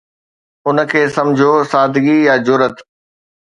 ان کي سمجهو سادگي يا جرئت.